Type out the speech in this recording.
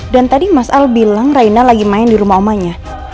dan tadi mas al bilang raina lagi main di rumah omanya